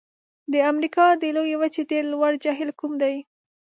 د امریکا د لویې وچې ډېر لوړ جهیل کوم دی؟